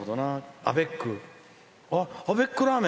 アベックラーメン